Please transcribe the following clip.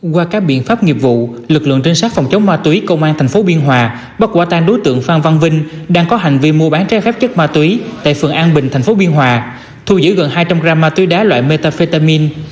qua các biện pháp nghiệp vụ lực lượng trinh sát phòng chống ma túy công an tp biên hòa bắt quả tan đối tượng phan văn vinh đang có hành vi mua bán trái phép chất ma túy tại phường an bình tp biên hòa thu giữ gần hai trăm linh gram ma túy đá loại metafetamin